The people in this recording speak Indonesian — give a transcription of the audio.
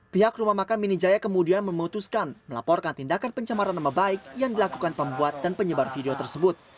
pihak rumah makan minijaya kemudian memutuskan melaporkan tindakan pencemaran nama baik yang dilakukan pembuat dan penyebar video tersebut